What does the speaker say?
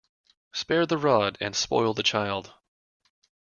Spare the rod and spoil the child.